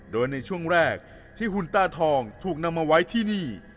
โดยในช่วงแรกที่หุ่นตาทองถูกนำมาไว้ที่นี่